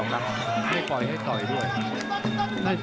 ให้ปล่อยให้ต่อยด้วย